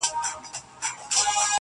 پر هر ځای به لکه ستوري ځلېدله!